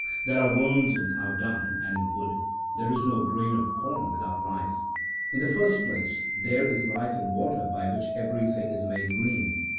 There are worms in cow dung 2 and in wood ; There is no grain of corn without life. In the first place, there is life in water by which everything is made green.